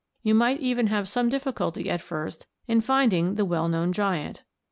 4) you might even have some difficulty at first in finding the well known giant.